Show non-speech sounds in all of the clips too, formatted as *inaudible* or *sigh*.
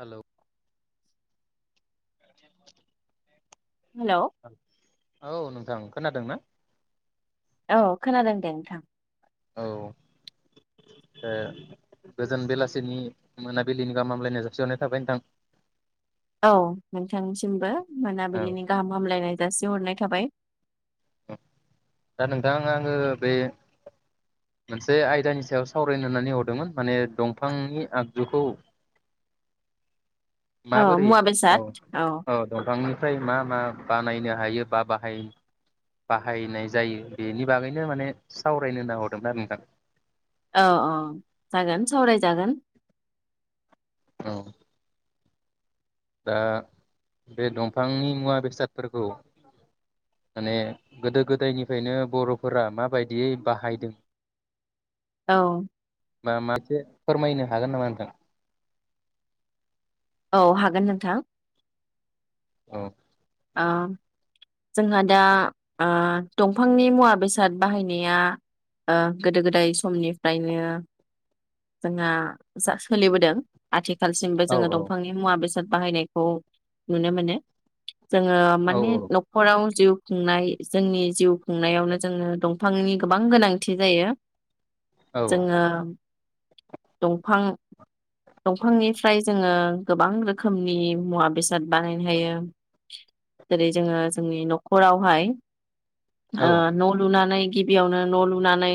Hello. Hello *inaudible* औ नोंथां खोनादों ना? औ खोनादों दे नोंथां औ दे गोजान बेलासिनि मोनाबिलिनि गाहामहामलायनाय जासिहरनाय थाबाय नोंथां औ नोंथांनिसिमबो औ मोनाबिलिनि गाहाम हामलायनाय जासि हरनाय थाबाय दा नोंथां आङो बे मोनसे आयदानि सायाव सावरायनोनानै हरदोंमोन माने दंफांनि आगजुखौ औ माबोरै मुवा औ बेसाद औ दंफांनिफ्राय मा मा बानायनो हायो बा बाहाय बाहायनाय जायो बेनि बागैनो माने सावरायनोना हरदों आरो नोंथां औ औ जागोन सावरायजागोन औ दा बे दंफांनि मुवा बेसादफोरखौ माने गोदो गोदायनिफ्रायनो बरफोरा माबायदियै बाहायदों औ मा मा इसे फोरमायनो हागोन नामा नोंथां औ हागोन नोंथां औ ओ जोंहा दा ओ दंफांनि मुवा बेसाद बाहायनाया ओ गोदो गोदाय समनिफ्रायनो जोंहा जा सोलिबोदों आथि खालसिम बो औ जोङो दंफांनि मुवा बेसाद बाहायनायखौ नुनो मोनो। जोङो औ माने खराव जिउ खुंनाय जोंनि जिउ खुंनायावनो जोङो दंफांनि गोबां गोनांथि जायो। औ जोङो दंफां दंफांनिफ्राय जोङो गोबां रोखोमनि मुवा बेसाद बानायनो हायो जेरै जोङो जोंनि न'खरावहाय औ ओ न' लुनानै गिबियावनो न' लुनानै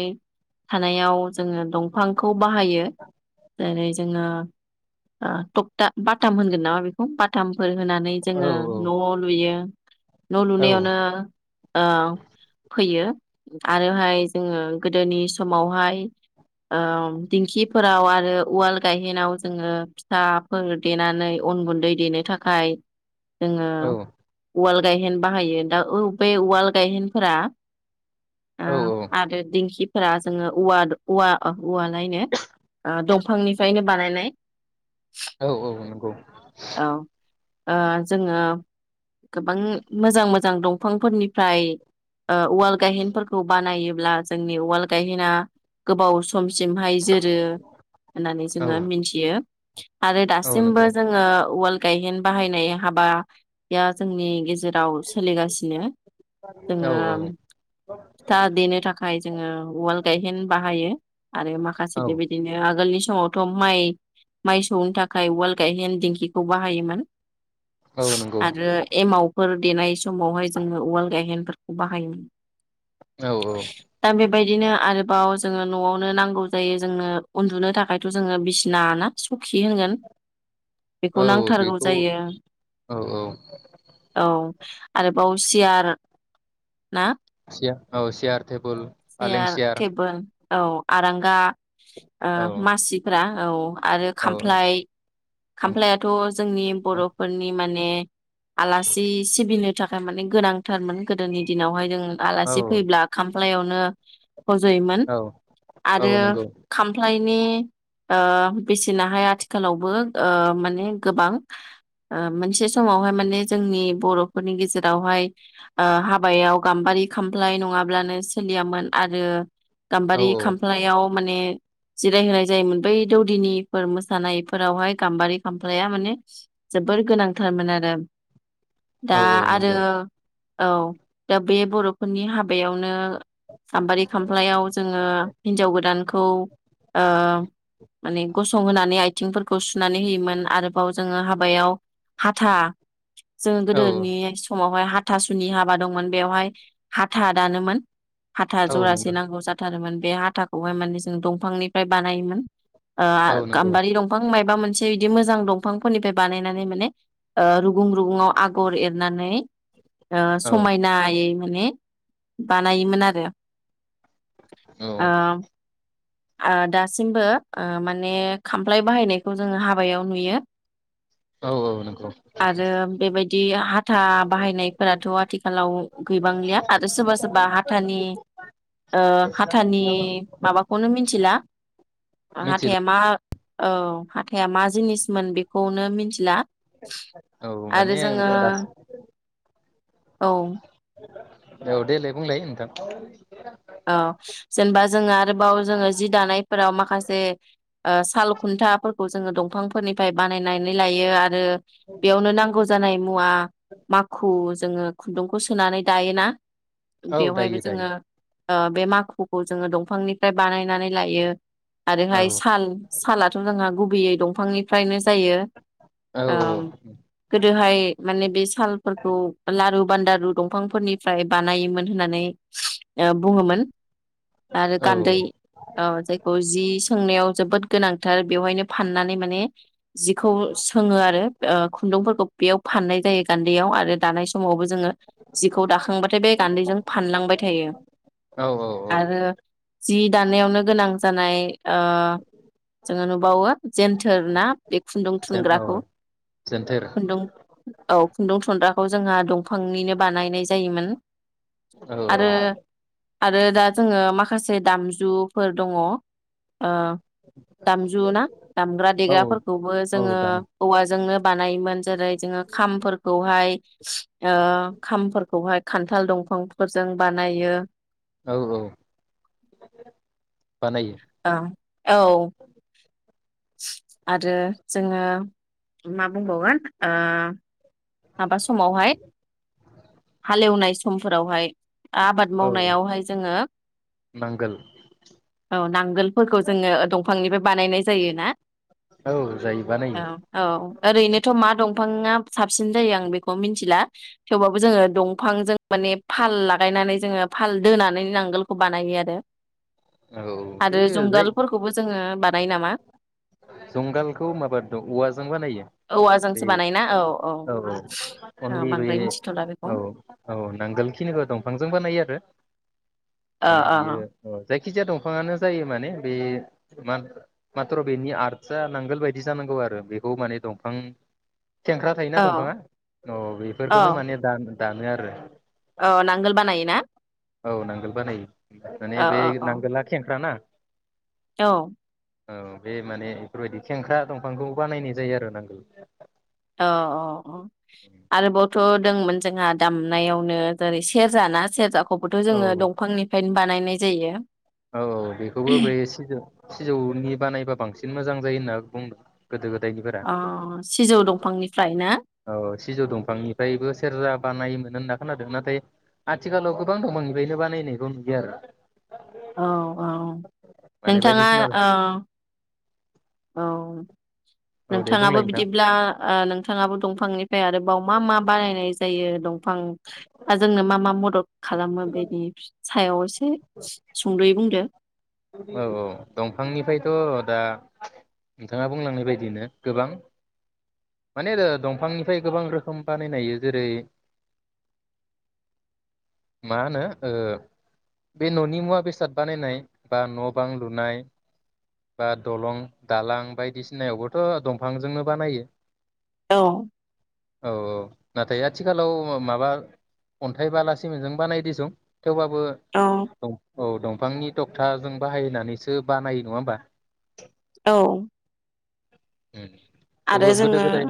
थानायाव जोङो दंफांखौ बाहायो जेरै जोङो ओ तकता बाताम होनगोन नामा बेखौ बाथाम फोर होनानै जोङो औ न' लुयो। न' औ लुनायावनो ओ फैयो आरोहाय जोङो गोदोनि समावहाय ओम दिंखिफोराव आरो उवाल गायहेनाव जोङो फिथाफोर देनानै अन गुन्दै देनो थाखाय जोङो उवाल गायहेन बाहायो दा औ बे उवाल गायहेनफोरा ओ औ आरो दिंखि *inaudible* *inaudible* बिफांनिफ्रायनो बानायनाय औ औ नंगौ औ ओ जोङो गोबां मोजां मोजां दंफांफोरनिफ्राय ओ उवाल गाहेनफोरखौ बानायो ब्ला जोंनि उवाल गाहेना गोबाव सम समसिमहाय जोरो होननानै औ जोङो मिथियो आरो औ दासिमबो नंगौ जोङो उवाल गायहेन बाहायनाय हाबा *inaudible* जोंनि गेजेराव सोलिगासिनो औ जोङो फिथा देनो थाखाय जोङो उवाल गायहेन बाहायो आरो माखासे औ बेबायदिनो आगोलनि समावथ' माइ माइ सौनो थाखाय उवाल गाहेन दिंखिखौ बाहायोमोन। औ नंगौ उन देनाय समावहाय जोङो उवाल गायहेनफोरखौ बाहायोमोन। औ औ दा बेबायदिनो आरोबाव जोङो न'आवनो नांगौ जायो जोंनो उन्दुनो थाखायथ' जोङो बिसिना ना सखि होनगोन बेखौ औ नांथारगौ बेखौ जायो औ-औ औ आरोबाव सियार ना सियार औ सियार टेबोल फालें सियार औ आरांगा ओ औ मासिग्रा औ आरो औ खामफ्लाय औ खामफ्लायाथ' जोंनि बर'फोरनि माने ए आलासि सिबिनो थाखाय माने गोनां गोनांथारमोन गोदोनि दिनावहाय नों आलासि औ फैब्ला खामफ्लाय खामफ्लायावनो फज'योमोन औ आरो नंगौ खामफ्लाय ओ बेसेनाहाय आथिखालावबो ओ माने गोबां ओ मोनसे समावहाय माने जोंनि बर'फोरनि गेजेरावहाय ओ हाबायाव गाम्बारि खामफ्लाय नङाब्लानो सोलियामोन आरो औ गाम्बारि खामफ्लायाव माने जिरायहोनाय जायोमोन बै दौदिनिफोर मोसानायफोरावहाय गाम्बारि खामफ्लाया माने जोबोर गोनांथारमोन आरो दा औ आरो नंगौ औ दा बे बर'फोरनि हाबायावनो गाम्बारि खामफ्लायाव जोङो हिनजाव गोदानखौ ओ माने गसंहोनानै आइ आथिंफोरखौ सुनानै होयोमोन आरोबाव जोङो हाबायाव हाथा *unintelligible* जोंङो गोदोनि समावहाय हा हाथासुनि हाबा दंमोन बेवहाय हाथा दानोमोन। हाथा औ जरासे नंगौ नांगौ जाथारोमोन। बे हाथाखौहाय माने जों दंफांनिफ्राय बानायोमोन। ओ औ नंगौ गाम्बारि दंफां माइ बा मोनसे बिदि मोजां दंफांफोरनिफ्राय बानायनानै माने ओ रु गुं रुगुं आव आगर एरनानै ओ औ समायनायै माने बानायोमोन आरो। औ ओ आ दासिमबो ओ माने खामफ्लाय बाहायनायखौ जोङो हाबायाव नुयो। औ औ नंगौ आरो बेबायदि हाथा बाहायनायफोराथ' आथिखालाव गैबांलिया आरो सोरबा- सोरबा हाथानि ओ हाथानि माबा मिथिला हाथाया मिथिला मा औ हाथाया मा जिनिसमोन बेखौनो मिथिला। औ आरो माने जोङो बास औ। औ देलै बुंलाय नोंथां। औ जेनेबा जोङो आरोबाव जोङो जि दानायफोराव माखासे ओ साल खुन्थाफोरखौ जोङो दंफांफोरनिफ्राय बानायनानै लायो आरो बेयावनो नांगौ जानाय मुवा माखुस जोङो खुन्दुंखौ सोनानै दायोना। औ बेवहायबो दायो दायो जोङो ओ बे माखुखौ जोङो दंफांनिफ्राय बानायनानै लायो। आरोहाय औ साल सालाथ' जोंहा गुबैयै दं *unintelligible* फ्रायनोस दायो औ उम गोदोहाय माने बे सालफोरखौ लारु बान्दारु दंफांफोरनिफ्राय बानायोमोन होननानै उम बुङोमोन। आरो औ गान्दै ओ जायखौ जि सोंनायाव जोबोद गोनांथि। थार बेवहायनो फाननानै माने जिखौ सोङो आरो ओ खुन्दुंफोरखौ बेयाव फाननाय जायो गान्दैयाव आरो दानाय समावबो जोङो जिखौ दाखांबाथाय बे गान्दैजों फानलांबाय थायो। औ-औ-औ। आरो जि दानायावनो गोनां जानाय। ओ जोङो नुबावो जेन्थोर ना बे खुन्दुं जेन औ थुनग्राखौ जेन्थोर खुन्दुं औ खुन्दुं थुनग्राखौ जोंहा दंफांनिनो बानायनाय जायोमोन औ आरो। आरो दा जोङो माख खासे दामजुफोर दङ। ओ दामजु ना दामग्रा औ देग्राफोरखौबो जोङो औ दाम औवाजोंनो बानायोमोन जेरै जोङो खामफोरखौहाय। ओ खामफोरखौहाय खान्थाल दंफांफोरजों बानायो। औ औ। बानायो ओ औ। आरो जोङो मा बुंबावगोन ओ। *unintelligible* माबा समावहाय हालेवनाय। सम फोरावहाय। आबाद औ मावनायावहाय जोङो नांगोल औ नांगोलफोरखौ जोङो दंफांनिफ्राय बानायनाय जायो ना औ जायो औ बानायो औ ओरैनोथ मा दं ङा साब सिन जायो आं बेखौ मिनथिला थेवबाबो जोङो दंफांजों माने फाल लागायनानै जोङो फाल दोनानै नांगोलखौ बानायो आरो। औ बे आरो जाय जुंगालफोरखौबो जोङो बानायो नामा? जुंगालखौ माबा द औवाजों बानायो औवाजोंसो बे बानायना औ औ औ औ अनलि बे बांद्राय मिथिथ'ला बेखौ औ औ नांगोलखिनिखौ दंफांजों बानायो आरो औ माने औ बियो ओ जाय जायखिजाया दंफाङानो जायो माने बे मा माथ्र बेनि आरथ आसा नांगोल बायदि जानांगौ आरो बेखौ माने दंफां खेंख्रा थायोना औ दंफाङा अ औ बेफोरखौनो माने दान दानो आरो औ नांगोल बानायो ना? औ नांगोल बानायो माने बे औ औ नांगोला खेंक्राना औ औ बे माने बेफोरबायदि खेंख्रा दंफांखौ बानायनाय जायो आरो नांगोल अ अ अ आरो बाव थ दंमोन जोंहा दामनायावनो जेरै सेरजा ना सेरजाख खौबोथ औ जोङो दंफांनिफ्रायनो बानायनाय जायो औ औ बेखौबो बेै सिजौ सिजौनि बानायबा बांसिन मोजां जायो होनना बुं अ सिजौ दंफांनि फायना। औ सिजौ दंफांनिफ्रायबो सेरजा बानायोमोन होनना खोनादों नाथाय आथिखालाव गोबां दंफांनिफ्रायनो बानायनायखौ नुयो औ औ आरो माने नोंथाङा बायदिसिना आरो ओ औ दे नोंथाङाबो बुंलाय नोंथां बिदिब्ला ओ नोंथाङाबो दंफांनि ओमफाय आरोबाव मा मा बानायनाय जायो दं फां जोंनो मा मा मदद खालामो बेनि सायाव एसे सुंद'यै बुंदो। औ औ दंफांनिफ्रायथ' दा नोंथाङा बुंलांनाय बायदिनो गोबां माने ओ दंफांनिफ्राय गोबां रोखोम बानायनायो जेरै मा होनो ओ बे न'नि मुवा बेसाद बानायनाय बा न' बां लुनाय बा दलं दालां बायदिसिनायावबोथ' दंफांजोंनो बानायो। औ औ औ नाथाय आथिखालाव माबा अन्थाइ बालासिमोनजों बानायदिसं थेवबाबो औ दं औ दं फांनि थखथाजों बाहायनानैसो बानायो नङा होमबा। औ उम आरो जोङो जाय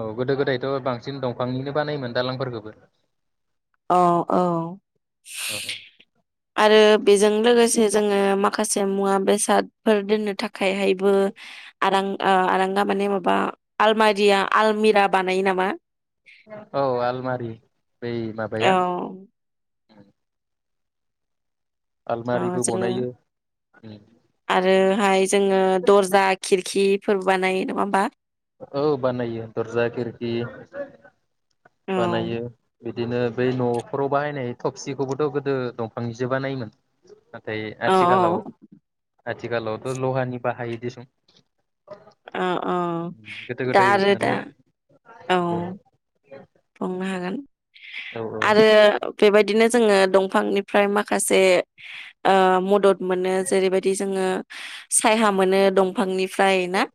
औ। गोदो गोदायथ' बांसिन दंफांनिनो बानायोमोन दालांफोरखौबो‌। औ औ आरो बेजों लोगोसे जोङो माखासे मुवा बेसादफोर दोननो थाखायहायबो आरां आरांगा माने माबा आलमारिया आलमिरा बानायो नामा। औ आलमारि। बै औ माबाया आरो अ जोङो बनायो आरोहाय जोङो दर्जा खिरखि फोर बानायो नङा होमबा। औ बानायो दर्जा खिरखि औ बानायो। बिदिनो बै न'फोराव बाहायनाय थफसिखौबोथ' गोदो दंफांनिजोब नायोममोन। नाथाय औ आथिखालाव आथिखालावथ' लहानि बाहायदिसं। ओ औ दा आरो दा माने औ संनो हागोन। औ औ आरो बेबा बिदिनो जोङो दंफांनिफ्राय माखासे ओ मदद मोनो जेरैबायदि जोङो सायहा मोनो दंफांनि फ्राय ना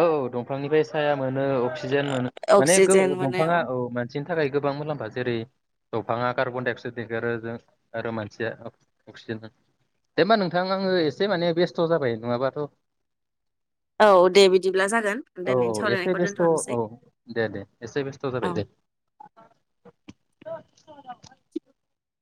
औ दंफांनिफ्राय साया मोनो अक्सिजेन मोनो माने गो अक्सिजेन मोनो दंफाङा औ मानसिनि थाखाय गोबां मुलाम्फा जेरै दंफाङा कार्बन दडाइ अक्साइड एंगारो जों आरो मानसिया अक्सिजेनजों दे होमबा नोंथां आङो एसे माने बेस्थ' जाबाय नङाबाथ' औ दे बिदिब्ला जागोन औ दिनैनि एसे सावरायनायखौ बेस्थ' दोनथ'नोसै औ दे दे एसे बेस्थ' जाबाय औ दे *inaudible* *unintelligible*